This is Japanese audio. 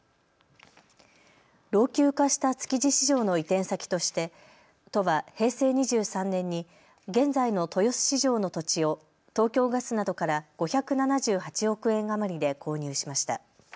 老朽化した築地市場の移転先として都は平成２３年に現在の豊洲市場の土地を東京ガスなどから５７８億円余りで購入しました。